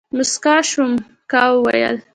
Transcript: موسکا شوم ، کا ويل ،